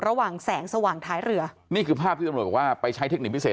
ระหว่างแสงสว่างท้ายเรือนี่คือภาพที่ตำรวจบอกว่าไปใช้เทคนิคพิเศษ